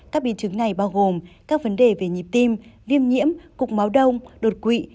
các biến chứng này bao gồm các vấn đề về nhịp tim viêm nhiễm cục máu đông đột quỵ